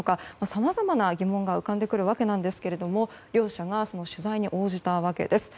さまざまな疑問が浮かんでくるわけですが両者がその取材に応じたわけです。